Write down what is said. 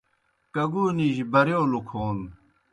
کگُونِجیْ برِیؤ لُکھون